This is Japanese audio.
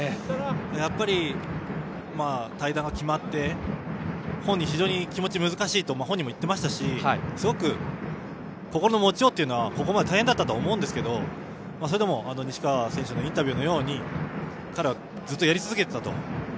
やっぱり退団が決まって本人、非常に気持ちが難しいと言っていましたしすごく心の持ちようもここまで大変だったと思いますがそれでも、西川選手のインタビューのように彼はずっとやり続けていたと。